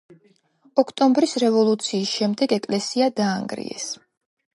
ოქტომბრის რევოლუციის შემდეგ ეკლესია დაანგრიეს.